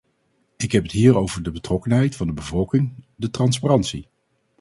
Ik heb het hier over de betrokkenheid van de bevolking, de transparantie.